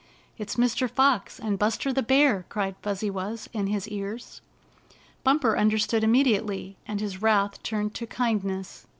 "It's Mr. Fox and Buster the Bear!" cried Fuzzy Wuzz in his ears. Bumper understood immediately, and his wrath turned to kindness.